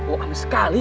oh amat sekali